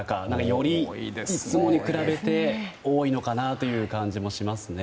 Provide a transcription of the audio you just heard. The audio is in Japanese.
より、いつもに比べて多いのかなという感じもしますね。